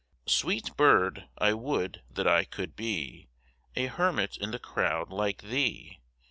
a (89) Sweet bird ! I would that I could be A hermit in the crowd like thee